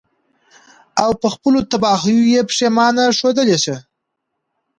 او په خپلو تباهيو ئې پښېمانه ښودلے شي.